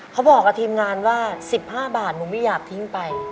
เขาบอกกับทีมงานว่า๑๕บาทหนูไม่อยากทิ้งไป